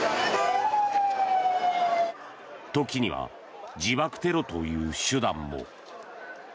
時には自爆テロという手段も。